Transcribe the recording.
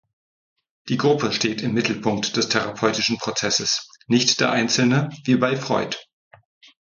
Die Gruppe steht im Mittelpunkt des therapeutischen Prozesses, nicht der Einzelne, wie bei Freud.